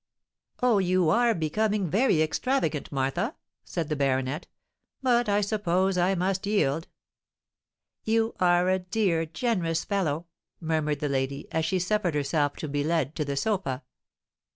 "Oh! you are becoming very extravagant, Martha," said the baronet. "But I suppose I must yield——" "You are a dear, generous fellow," murmured the lady, as she suffered herself to be led to the sofa.